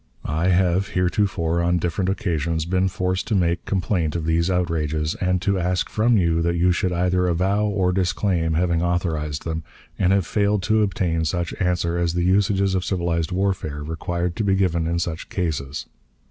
"I have heretofore, on different occasions, been forced to make complaint of these outrages, and to ask from you that you should either avow or disclaim having authorized them, and have failed to obtain such answer as the usages of civilized warfare require to be given in such cases.